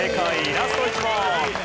ラスト１問。